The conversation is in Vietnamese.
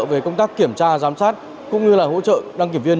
về công tác kiểm tra giám sát cũng như là hỗ trợ đăng kiểm viên